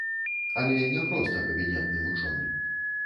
Але не проста кабінетны вучоны.